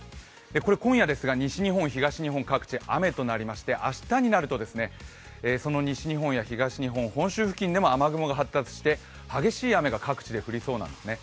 これ今夜ですが、西日本・東日本各地、雨となり、明日になると、その西日本や東日本本州付近でも雨雲が発達して激しい雨が降りそうなんですね。